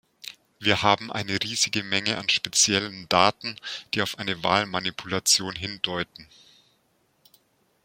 Wir haben eine riesige Menge an speziellen Daten, die auf eine Wahlmanipulation hindeuten.